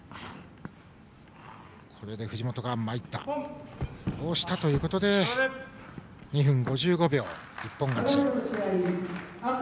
これで藤本が参ったをしたということで２分５５秒で一本勝ち。